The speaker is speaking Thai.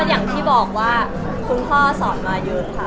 อย่างที่บอกว่าคุณพ่อสอนมาเยอะค่ะ